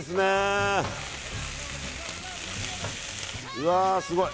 うわー、すごい！